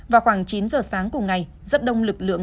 vào khoảng chín giờ sáng cùng ngày rất đông lực lượng